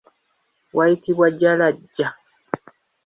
Wayitibwa Jjalaja.